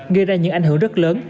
gây ra những ảnh hưởng rất lớn